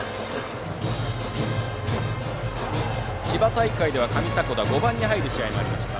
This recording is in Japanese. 千葉大会では上迫田は５番に入る試合もありました。